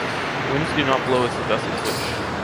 Winds do not blow as the vessels wish.